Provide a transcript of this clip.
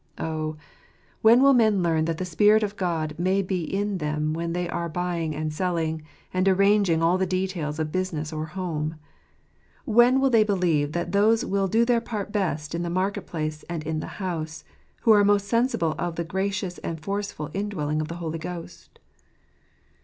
Oh, when will men learn that the Spirit of God may be in them when they are buying and selling, and arranging all the details of business or home? When will they believe that those will do their part best in the market place, and in the house, who are most sensible of the gracious and forceful indwelling of the Holy Ghost?